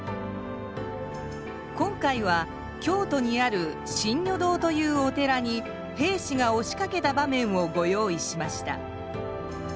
今回は京都にある真如堂というお寺に兵士がおしかけた場面をご用意しました。